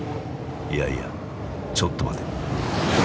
いやいやちょっと待て。